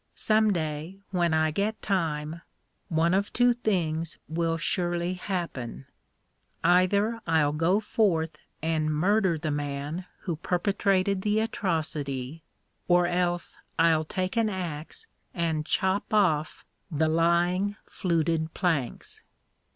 Some day, when I get time, one of two things will surely happen. Either I'll go forth and murder the man who perpetrated the atrocity, or else I'll take an axe and chop off the lying, fluted planks.